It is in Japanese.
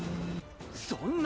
そんな！